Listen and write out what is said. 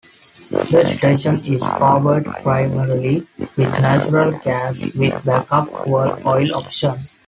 The station is powered primarily with natural gas with backup fuel oil option.